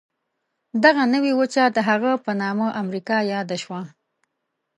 دغه نوې وچه د هغه په نامه امریکا یاده شوه.